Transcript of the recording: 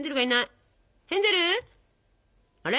あれ？